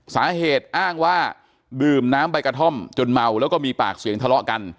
สาเหตุอ้างว่าดื่มน้ำใบกระท่อมจนเมาแล้วก็มีปากเสียงทะเลาะกัน